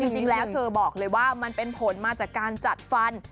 จริงแล้วเธอบอกเลยว่ามันเป็นผลมาจากการจัดฟัน